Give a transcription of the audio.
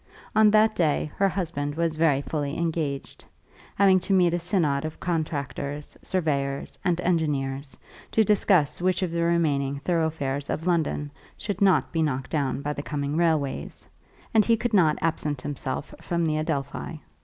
On that day her husband was very fully engaged, having to meet a synod of contractors, surveyors, and engineers, to discuss which of the remaining thoroughfares of London should not be knocked down by the coming railways, and he could not absent himself from the Adelphi.